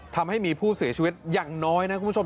ทำให้มีผู้เสียชีวิตอย่างน้อยนะคุณผู้ชม